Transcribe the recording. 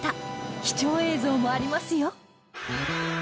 貴重映像もありますよ